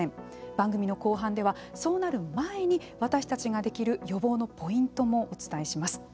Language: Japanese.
番組の後半ではそうなる前に、私たちができる予防のポイントもお伝えします。